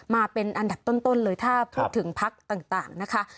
มาเป็นอันดับต้นเลยถ้าพูดถึงพักต่างนะคะ